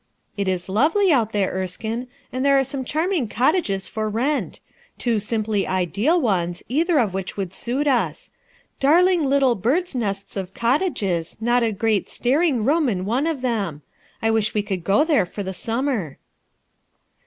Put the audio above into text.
It is lovely out there, Erskine, and there are some charming cottages for rent. Two simply irleal ones, either of which would suit us. Dar ling little bird's nests of cottages, not a great staring room in one of them. I wish we could go there for the summer."